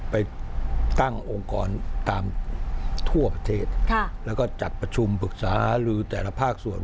ไปตั้งองค์กรตามทั่วประเทศแล้วก็จัดประชุมปรึกษาลือแต่ละภาคส่วน